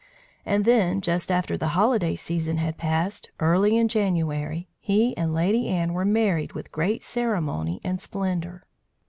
And then, just after the holiday season had passed, early in January, he and Lady Anne were married with great ceremony and splendour.